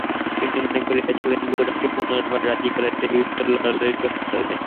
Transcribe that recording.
তিনি মনে করিয়াছিলেন গোরাকে পুনর্বার রাজি করাইতে বিস্তর লড়ালড়ি করিতে হইবে।